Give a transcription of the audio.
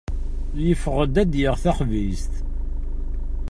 Yeffeɣ ad d-yaɣ taxbizt.